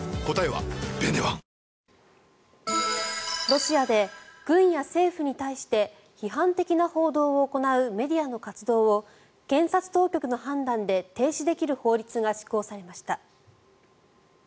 ロシアで軍や政府に対して批判的な報道を行うメディアの活動を検察当局の判断で停止できる法律が施行されました。